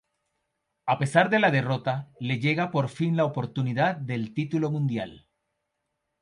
A pesar de la derrota le llega por fin la oportunidad del título mundial.